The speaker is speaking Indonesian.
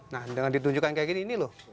nah dengan ditunjukkan kayak gini ini loh